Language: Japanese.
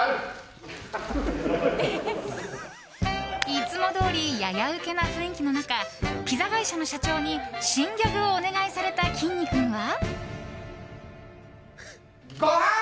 いつもどおりややウケな雰囲気の中ピザ会社の社長に新ギャグをお願いされた、きんに君は。